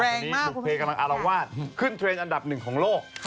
ตอนนี้บุภเพกำลังอารวาสขึ้นเทรนด์อันดับหนึ่งของโลก